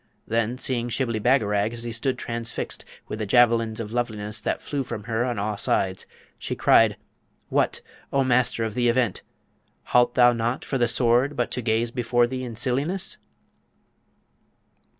Then, seeing Shibli Bagarag as he stood transfixed with the javelins of loveliness that flew from her on all sides, she cried: 'What, O Master of the Event! halt thou nought for the Sword but to gaze before thee in silliness?'